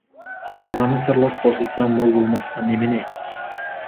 Алғаны сырлас қосылса, мол болмасқа немене.